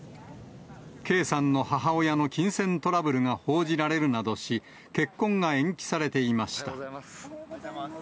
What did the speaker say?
圭さんの母親の金銭トラブルが報じられるなどし、結婚が延期されていました。